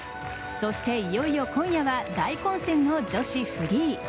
そして、いよいよ今夜は大混戦の女子フリー。